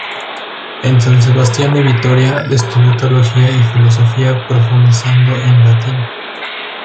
En San Sebastián y Vitoria estudio teología y filosofía profundizando en latín.